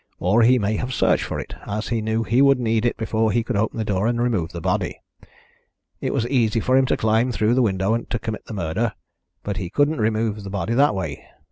Or he may have searched for it, as he knew he would need it before he could open the door and remove the body. It was easy for him to climb through the window to commit the murder, but he couldn't remove the body that way.